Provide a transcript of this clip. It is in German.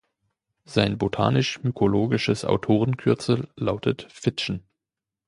Sein botanisch-mykologisches Autorenkürzel lautet „Fitschen“.